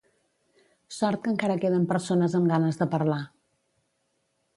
Sort que encara queden persones amb ganes de parlar